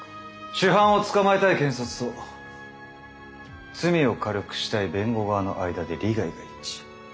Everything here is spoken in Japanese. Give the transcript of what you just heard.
主犯を捕まえたい検察と罪を軽くしたい弁護側の間で利害が一致。